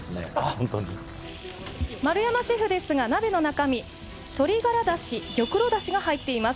本当に丸山シェフですが鍋の中身鶏ガラダシ玉露ダシが入っています